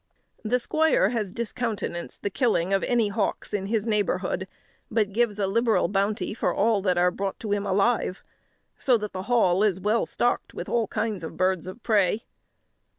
The squire has discountenanced the killing of any hawks in his neighbourhood, but gives a liberal bounty for all that are brought him alive; so that the Hall is well stocked with all kinds of birds of prey.